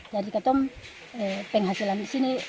jadi kata kata penghasilan di sini